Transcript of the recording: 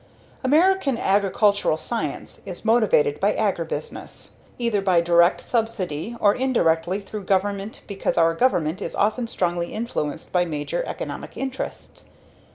American agricultural science is motivated by agribusiness, either by direct subsidy or indirectly through government because our government is often strongly influenced by major economic interests.